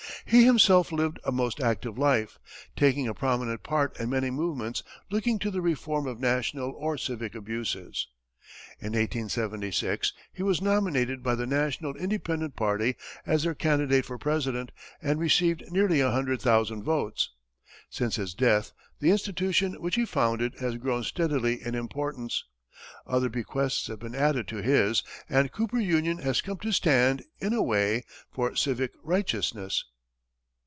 He himself lived a most active life, taking a prominent part in many movements looking to the reform of national or civic abuses. In 1876, he was nominated by the national independent party as their candidate for president and received nearly a hundred thousand votes. Since his death, the institution which he founded has grown steadily in importance; other bequests have been added to his, and Cooper Union has come to stand, in a way, for civic righteousness.